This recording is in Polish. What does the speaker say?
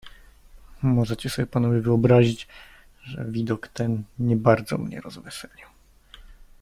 "Możecie sobie panowie wyobrazić, że widok ten nie bardzo mnie rozweselił."